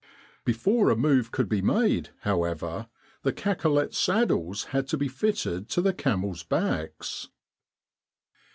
Before a move could be made, however, the cacolet saddles had to be fitted to the camels' backs.